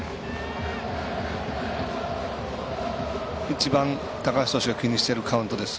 一番、高橋投手が気にしているカウントです。